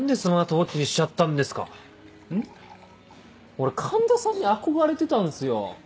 俺環田さんに憧れてたんすよ。